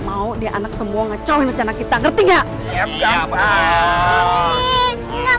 mau dia anak semua ngecawain rencana kita ngerti nggak enggak mau diam jangan banyak